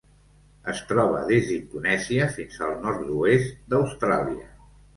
Es troba des d'Indonèsia fins al nord-oest d'Austràlia.